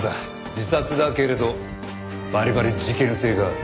自殺だけれどバリバリ事件性がある。